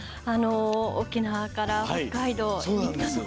沖縄から北海道